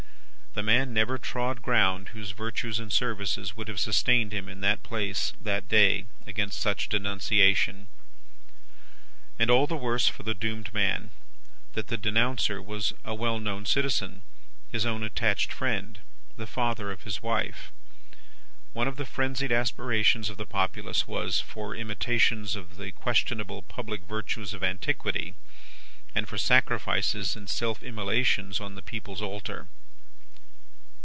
The man never trod ground whose virtues and services would have sustained him in that place that day, against such denunciation. And all the worse for the doomed man, that the denouncer was a well known citizen, his own attached friend, the father of his wife. One of the frenzied aspirations of the populace was, for imitations of the questionable public virtues of antiquity, and for sacrifices and self immolations on the people's altar.